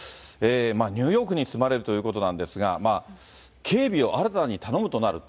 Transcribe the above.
ニューヨークに住まれるということなんですが、警備を新たに頼むとなると。